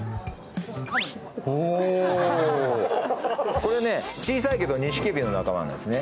これは小さいけどニシキヘビの仲間なんですね。